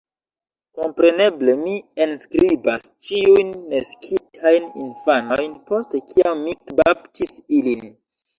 Kompreneble mi enskribas ĉiujn naskitajn infanojn, post kiam mi baptis ilin.